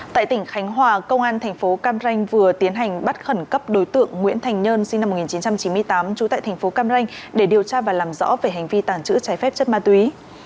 tại tỉnh khánh hòa công an thành phố cam ranh vừa tiến hành bắt khẩn cấp đối tượng nguyễn thành nhân sinh năm một nghìn chín trăm chín mươi tám trú tại thành phố cam ranh để điều tra và làm rõ về hành vi tàng trữ trái phép chất ma túy